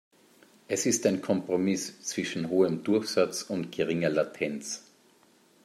Es ist ein Kompromiss zwischen hohem Durchsatz und geringer Latenz.